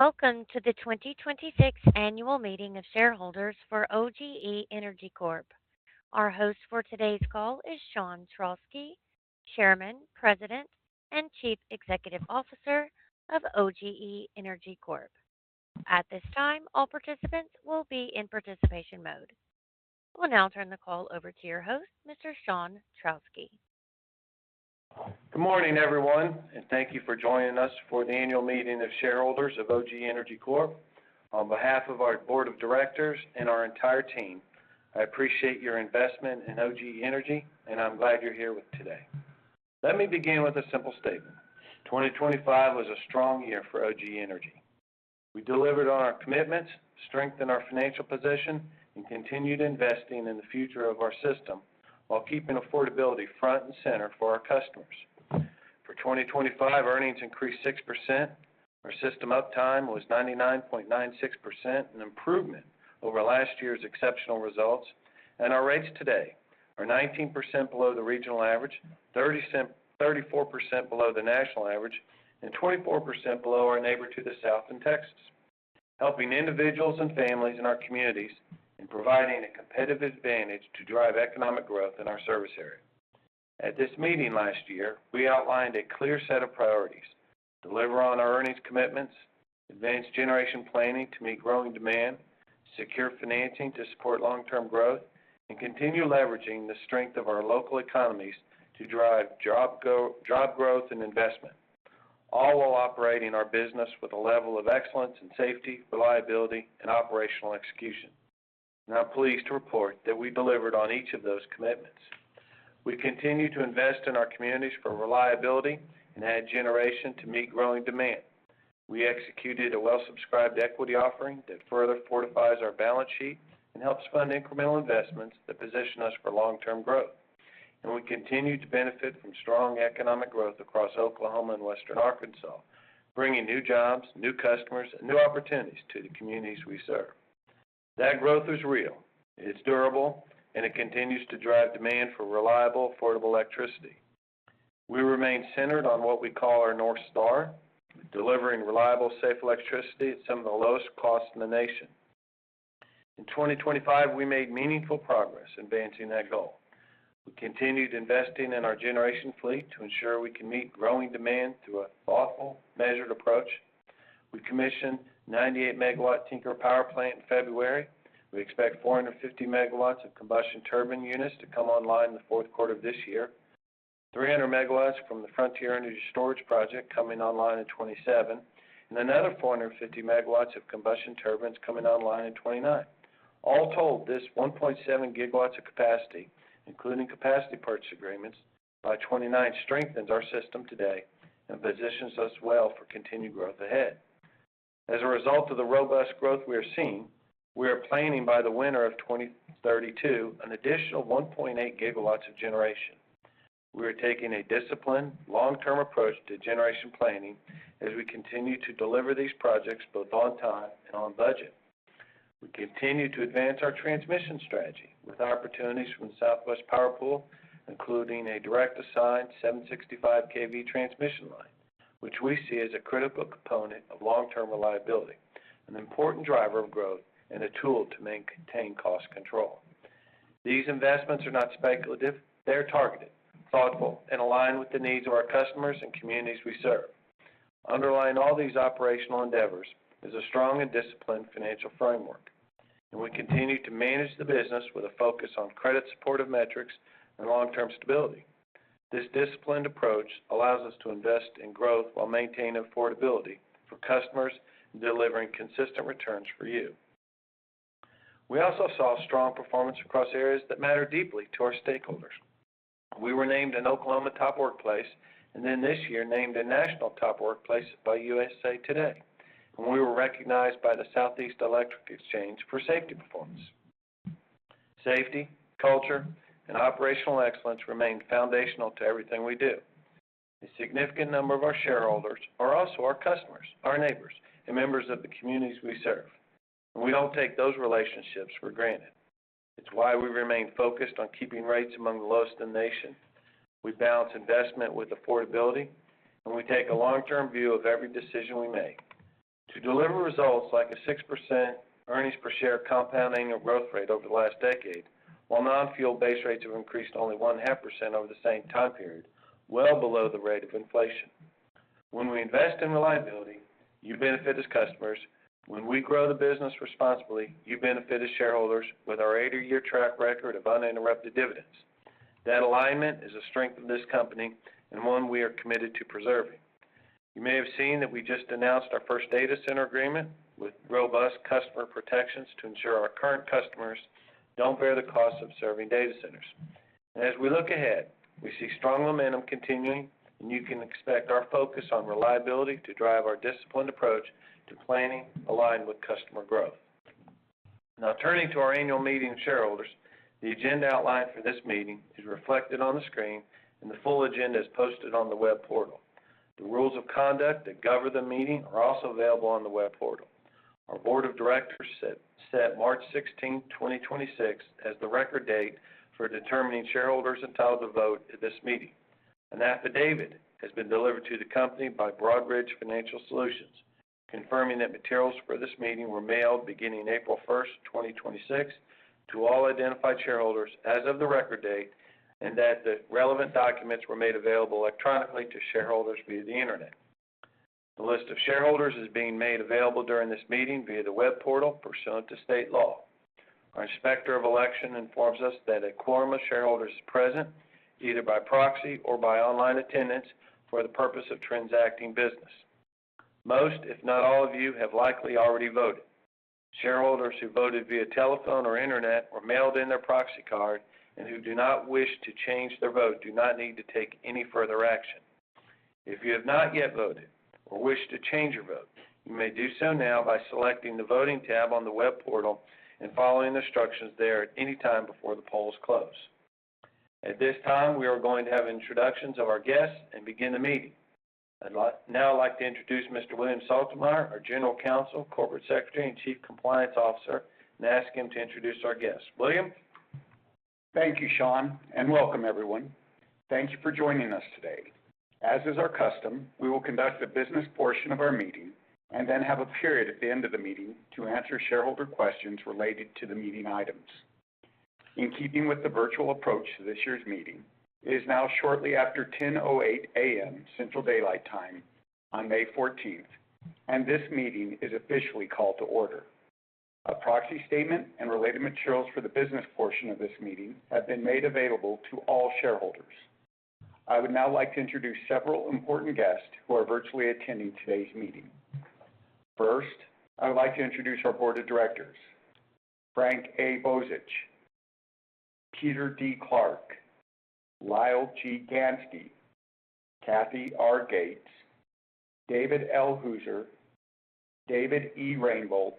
Welcome to the 2026 annual meeting of shareholders for OGE Energy Corp. Our host for today's call is Sean Trauschke, Chairman, President, and Chief Executive Officer of OGE Energy Corp. At this time, all participants will be in participation mode. We'll now turn the call over to your host, Mr. Sean Trauschke. Good morning, everyone, and thank you for joining us for the annual meeting of shareholders of OGE Energy Corp. On behalf of our board of directors and our entire team, I appreciate your investment in OGE Energy, and I'm glad you're here with today. Let me begin with a simple statement: 2025 was a strong year for OGE Energy. We delivered on our commitments, strengthened our financial position, and continued investing in the future of our system while keeping affordability front and center for our customers. For 2025, earnings increased 6%, our system uptime was 99.96%, an improvement over last year's exceptional results, and our rates today are 19% below the regional average, 34% below the national average, and 24% below our neighbor to the south in Texas, helping individuals and families in our communities and providing a competitive advantage to drive economic growth in our service area. At this meeting last year, we outlined a clear set of priorities: deliver on our earnings commitments, advance generation planning to meet growing demand, secure financing to support long-term growth, and continue leveraging the strength of our local economies to drive job growth and investment, all while operating our business with a level of excellence in safety, reliability, and operational execution, and I'm pleased to report that we delivered on each of those commitments. We continue to invest in our communities for reliability and add generation to meet growing demand. We executed a well-subscribed equity offering that further fortifies our balance sheet and helps fund incremental investments that position us for long-term growth. We continue to benefit from strong economic growth across Oklahoma and western Arkansas, bringing new jobs, new customers, and new opportunities to the communities we serve. That growth is real, it's durable, and it continues to drive demand for reliable, affordable electricity. We remain centered on what we call our North Star, delivering reliable, safe electricity at some of the lowest costs in the nation. In 2025, we made meaningful progress advancing that goal. We continued investing in our generation fleet to ensure we can meet growing demand through a thoughtful, measured approach. We commissioned 98 MW Tinker Power Plant in February. We expect 450 MW of combustion turbine units to come online in Q4 of this year. 300 MW from the Frontier Energy Storage Project coming online in 2027, and another 450 MW of combustion turbines coming online in 2029. All told, this 1.7 GW of capacity, including capacity purchase agreements by 2029, strengthens our system today and positions us well for continued growth ahead. As a result of the robust growth we are seeing, we are planning by the winter of 2032 an additional 1.8 GW of generation. We are taking a disciplined, long-term approach to generation planning as we continue to deliver these projects both on time and on budget. We continue to advance our transmission strategy with opportunities from the Southwest Power Pool, including a direct assigned 765 kV transmission line, which we see as a critical component of long-term reliability, an important driver of growth, and a tool to maintain cost control. These investments are not speculative. They're targeted, thoughtful, and aligned with the needs of our customers and communities we serve. Underlying all these operational endeavors is a strong and disciplined financial framework, and we continue to manage the business with a focus on credit support of metrics and long-term stability. This disciplined approach allows us to invest in growth while maintaining affordability for customers and delivering consistent returns for you. We also saw strong performance across areas that matter deeply to our stakeholders. We were named an Oklahoma Top Workplace, and then this year named a National Top Workplace by USA Today, and w,e were recognized by the Southeastern Electric Exchange for safety performance. Safety, culture, and operational excellence remain foundational to everything we do. A significant number of our shareholders are also our customers, our neighbors, and members of the communities we serve. We don't take those relationships for granted. It's why we remain focused on keeping rates among the lowest in the nation. We balance investment with affordability, and we take a long-term view of every decision we make. To deliver results like a 6% earnings per share compounding a growth rate over the last decade, while non-fuel base rates have increased only 0.5% over the same time period, well below the rate of inflation. When we invest in reliability, you benefit as customers. When we grow the business responsibly, you benefit as shareholders with our 80-year track record of uninterrupted dividends. That alignment is a strength of this company and one we are committed to preserving. You may have seen that we just announced our first data center agreement with robust customer protections to ensure our current customers don't bear the cost of serving data centers. As we look ahead, we see strong momentum continuing, and you can expect our focus on reliability to drive our disciplined approach to planning aligned with customer growth. Turning to our annual meeting of shareholders, the agenda outlined for this meeting is reflected on the screen, and the full agenda is posted on the web portal. The rules of conduct that govern the meeting are also available on the web portal. Our Board of Directors set March 16, 2026, as the record date for determining shareholders entitled to vote at this meeting. An affidavit has been delivered to the company by Broadridge Financial Solutions confirming that materials for this meeting were mailed beginning April 1, 2026 to all identified shareholders as of the record date, and that the relevant documents were made available electronically to shareholders via the Internet. The list of shareholders is being made available during this meeting via the web portal pursuant to state law. Our Inspector of Election informs us that a quorum of shareholders is present, either by proxy or by online attendance for the purpose of transacting business. Most, if not all of you, have likely already voted. Shareholders who voted via telephone or Internet or mailed in their proxy card and who do not wish to change their vote do not need to take any further action. If you have not yet voted or wish to change your vote, you may do so now by selecting the voting tab on the web portal and following the instructions there at any time before the polls close. At this time, we are going to have introductions of our guests and begin the meeting. I'd like to introduce Mr. William Sultemeier, our General Counsel, Corporate Secretary and Chief Compliance Officer, and ask him to introduce our guests. William? Thank you, Sean, and welcome everyone. Thank you for joining us today. As is our custom, we will conduct the business portion of our meeting and then have a period at the end of the meeting to answer shareholder questions related to the meeting items. In keeping with the virtual approach to this year's meeting, it is now shortly after 10:08 A.M. Central Daylight Time on May 14th, and this meeting is officially called to order. A proxy statement and related materials for the business portion of this meeting have been made available to all shareholders. I would now like to introduce several important guests who are virtually attending today's meeting. First, I would like to introduce our board of directors, Frank A. Bozich, Peter D. Clarke, Lyle G. Ganske, Cathy R. Gates, David L. Hauser, David E. Rainbolt,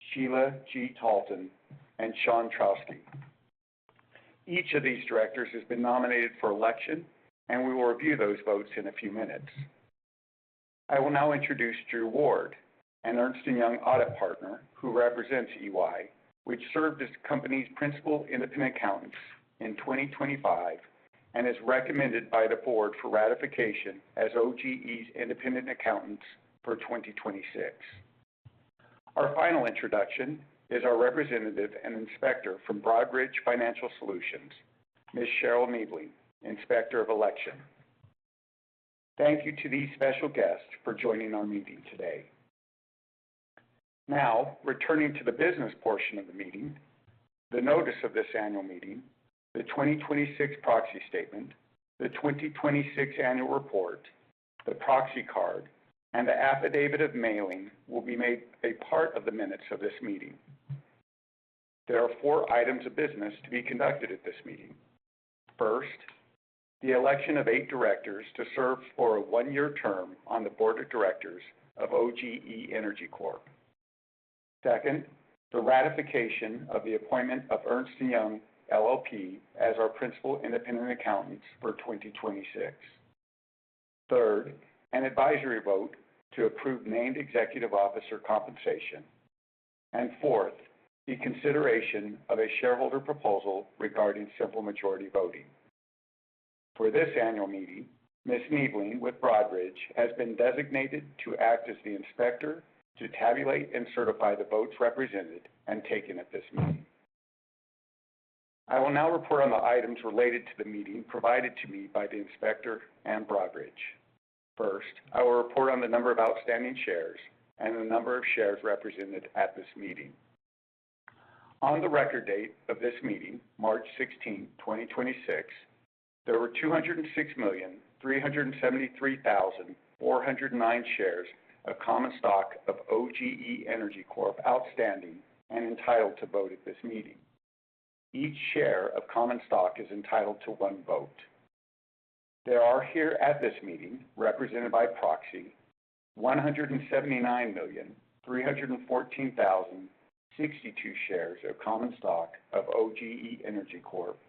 Sheila G. Talton, and Sean Trauschke. Each of these directors has been nominated for election, and we will review those votes in a few minutes. I will now introduce Drew Ward, an Ernst & Young audit partner who represents EY, which served as the company's principal independent accountants in 2025 and is recommended by the board for ratification as OGE's independent accountants for 2026. Our final introduction is our representative and Inspector from Broadridge Financial Solutions, Ms. Cheryl Naething, Inspector of Election. Thank you to these special guests for joining our meeting today. Now, returning to the business portion of the meeting, the notice of this annual meeting, the 2026 proxy statement, the 2026 annual report, the proxy card, and the affidavit of mailing will be made a part of the minutes of this meeting. There are four items of business to be conducted at this meeting. First, the election of eight directors to serve for a one-year term on the Board of Directors of OGE Energy Corp, second, the ratification of the appointment of Ernst & Young LLP as our principal independent accountants for 2026, third, an advisory vote to approve named executive officer compensation, and fourth, the consideration of a shareholder proposal regarding simple majority voting. For this annual meeting, Ms. Naething with Broadridge has been designated to act as the inspector to tabulate and certify the votes represented and taken at this meeting. I will now report on the items related to the meeting provided to me by the inspector and Broadridge. First, I will report on the number of outstanding shares and the number of shares represented at this meeting. On the record date of this meeting, March 16, 2026, there were 206,373,409 shares of common stock of OGE Energy Corp outstanding and entitled to vote at this meeting. Each share of common stock is entitled to one vote. There are here at this meeting, represented by proxy, 179,314,062 shares of common stock of OGE Energy Corp,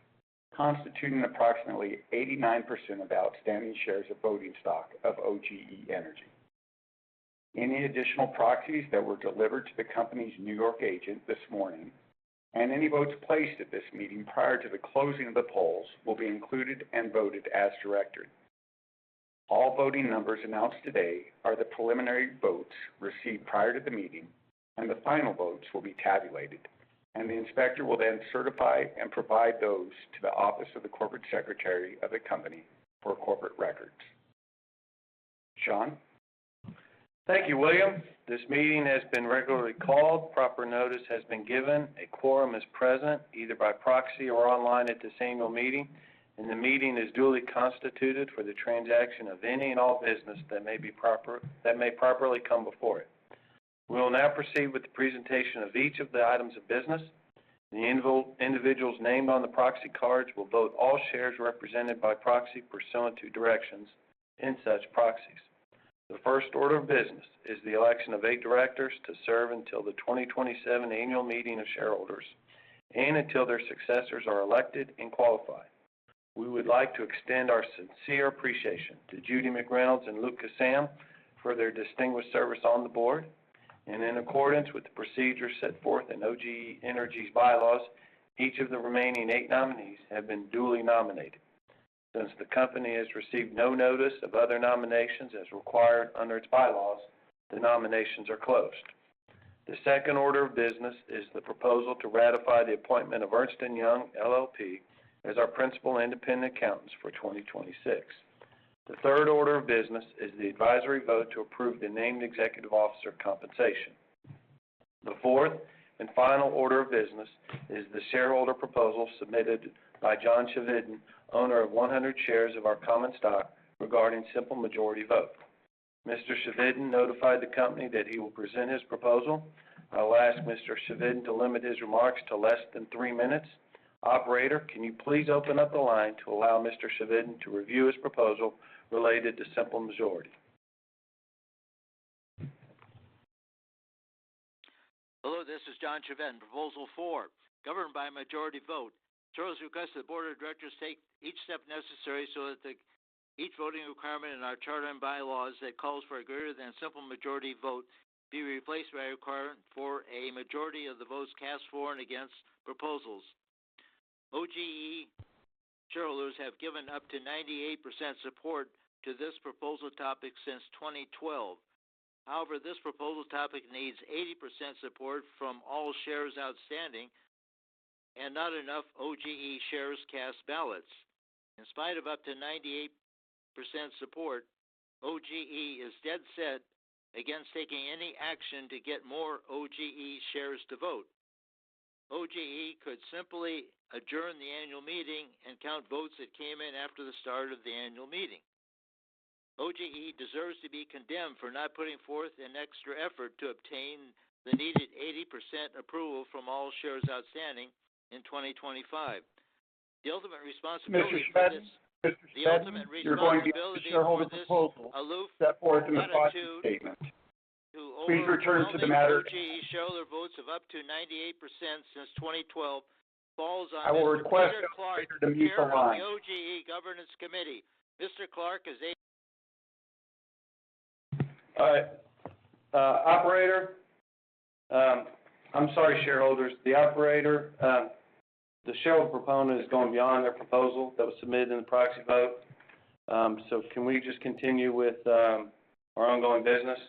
constituting approximately 89% of the outstanding shares of voting stock of OGE Energy. Any additional proxies that were delivered to the company's New York agent this morning and any votes placed at this meeting prior to the closing of the polls will be included and voted as directed. All voting numbers announced today are the preliminary votes received prior to the meeting, and the final votes will be tabulated, and the inspector will then certify and provide those to the Office of the Corporate Secretary of the company for corporate records. Sean? Thank you, William. This meeting has been regularly called, proper notice has been given, a quorum is present, either by proxy or online at this annual meeting, and the meeting is duly constituted for the transaction of any and all business that may properly come before it. We will now proceed with the presentation of each of the items of business. The individuals named on the proxy cards will vote all shares represented by proxy pursuant to directions in such proxies. The first order of business is the election of eight directors to serve until the 2027 annual meeting of shareholders and until their successors are elected and qualified. We would like to extend our sincere appreciation to Judy McReynolds and Luther Kissam for their distinguished service on the board. In accordance with the procedures set forth in OGE Energy's bylaws, each of the remaining eight nominees have been duly nominated. Since the company has received no notice of other nominations as required under its bylaws, the nominations are closed. The second order of business is the proposal to ratify the appointment of Ernst & Young LLP as our principal independent accountants for 2026. The third order of business is the advisory vote to approve the named executive officer compensation. The fourth and final order of business is the shareholder proposal submitted by John Chevedden, owner of 100 shares of our common stock, regarding simple majority vote. Mr. Chevedden notified the company that he will present his proposal. I'll ask Mr. Chevedden to limit his remarks to less than three minutes. Operator, can you please open up the line to allow Mr. Chevedden to review his proposal related to simple majority? Hello, this is John Chevedden. Proposal fou_r, governed by majority vote. Shares request the board of directors take each step necessary so that each voting requirement in our charter and bylaws that calls for a greater than simple majority vote be replaced by a requirement for a majority of the votes cast for and against proposals. OGE shareholders have given up to 98% support to this proposal topic since 2012. However, this proposal topic needs 80% support from all shares outstanding and not enough OGE shares cast ballots. In spite of up to 98% support, OGE is dead set against taking any action to get more OGE shares to vote. OGE could simply adjourn the annual meeting and count votes that came in after the start of the annual meeting. OGE deserves to be condemned for not putting forth an extra effort to obtain the needed 80% approval from all shares outstanding in 2025. Mr. Chevedden. Mr. Chevedden, you're going beyond the shareholder's proposal set forth in the proxy statement. Please return to the matter at hand. Shareholder votes of up to 98% since 2012 falls on. I will request that operator to mute the line. OGE governance committee. Mr. Clarke. Operator. I'm sorry, shareholders. The operator, the shareholder proponent is going beyond their proposal that was submitted in the proxy vote. Can we just continue with our ongoing business?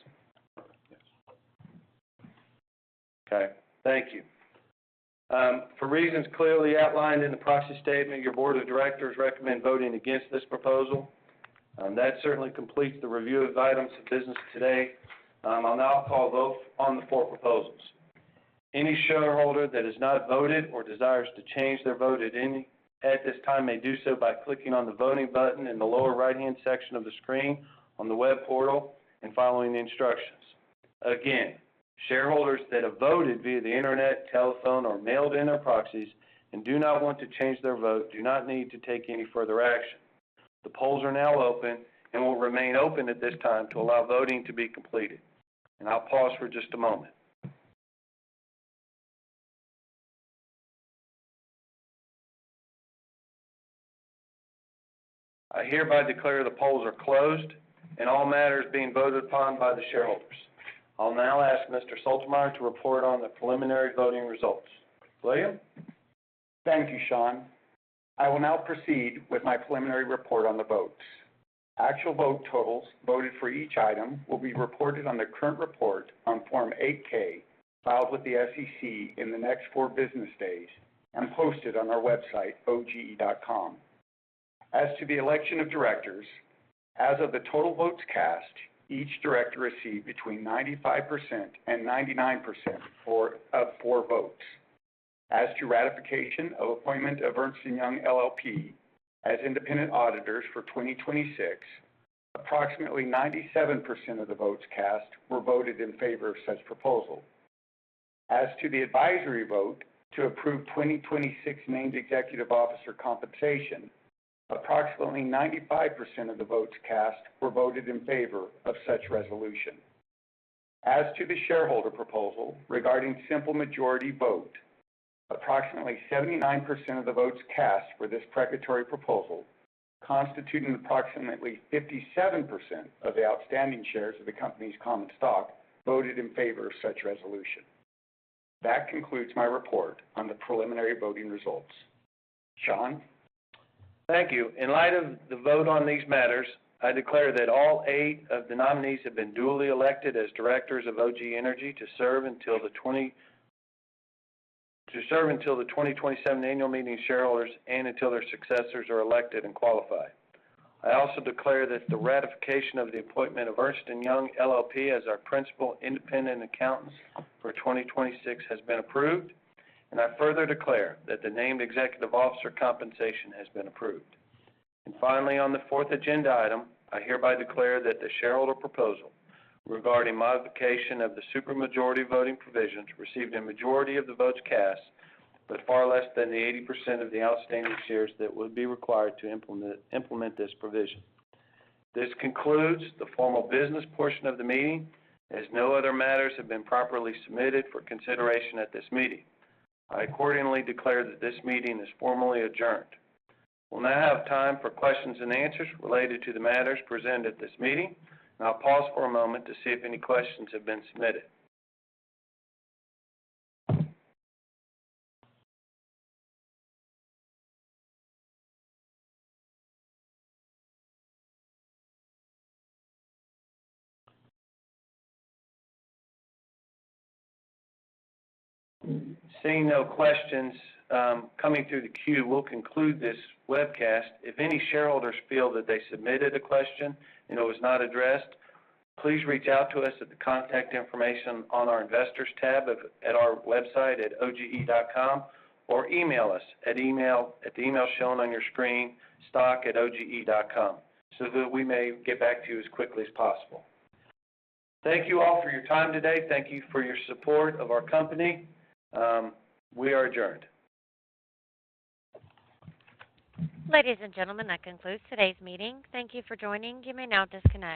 Okay. Thank you. For reasons clearly outlined in the proxy statement, your Board of Directors recommend voting against this proposal. That certainly completes the review of items of business today. I'll now call vote on the four proposals. Any shareholder that has not voted or desires to change their vote at this time may do so by clicking on the voting button in the lower right-hand section of the screen on the web portal and following the instructions. Shareholders that have voted via the Internet, telephone or mailed in their proxies and do not want to change their vote do not need to take any further action. The polls are now open and will remain open at this time to allow voting to be completed. I'll pause for just a moment. I hereby declare the polls are closed and all matters being voted upon by the shareholders. I'll now ask Mr. Sultemeier to report on the preliminary voting results. William. Thank you, Sean. I will now proceed with my preliminary report on the votes. Actual vote totals voted for each item will be reported on the current report on Form 8-K filed with the SEC in the next four business days and posted on our website, oge.com. As to the election of directors, as of the total votes cast, each director received between 95% and 99% for, of four votes. As to ratification of appointment of Ernst & Young LLP as independent auditors for 2026, approximately 97% of the votes cast were voted in favor of such proposal. As to the advisory vote to approve 2026 named executive officer compensation, approximately 95% of the votes cast were voted in favor of such resolution. As to the shareholder proposal regarding simple majority vote, approximately 79% of the votes cast for this precatory proposal, constituting approximately 57% of the outstanding shares of the company's common stock, voted in favor of such resolution. That concludes my report on the preliminary voting results. Sean. Thank you. In light of the vote on these matters, I declare that all eight of the nominees have been duly elected as directors of OGE Energy to serve until the 2027 annual meeting shareholders and until their successors are elected and qualify. I also declare that the ratification of the appointment of Ernst & Young LLP as our principal independent accountants for 2026 has been approved, and I further declare that the named executive officer compensation has been approved. Finally, on the fourth agenda item, I hereby declare that the shareholder proposal regarding modification of the supermajority voting provisions received a majority of the votes cast, but far less than the 80% of the outstanding shares that would be required to implement this provision. This concludes the formal business portion of the meeting, as no other matters have been properly submitted for consideration at this meeting. I accordingly declare that this meeting is formally adjourned. We'll now have time for questions and answers related to the matters presented at this meeting, and I'll pause for a moment to see if any questions have been submitted. Seeing no questions coming through the queue, we'll conclude this webcast. If any shareholders feel that they submitted a question and it was not addressed, please reach out to us at the contact information on our Investors tab at our website at oge.com or email us at the email shown on your screen, stock@oge.com, so that we may get back to you as quickly as possible. Thank you all for your time today. Thank you for your support of our company. We are adjourned. Ladies and gentlemen, that concludes today's meeting. Thank you for joining. You may now disconnect.